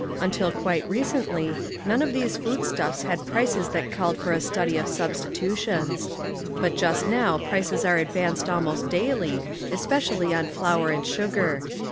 Until quite recently, none of these food stuffs had prices that called for a study of substitutions. But just now prices are advanced almost daily, especially on flour and sugar.